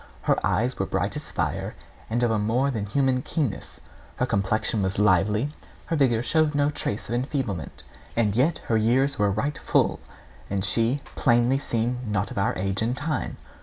Her eyes were bright as fire, and of a more than human keenness; her complexion was lively, her vigour showed no trace of enfeeblement; and yet her years were right full, and she plainly seemed not of our age and time.